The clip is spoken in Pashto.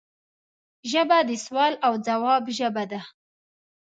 ژبه د سوال او ځواب ژبه ده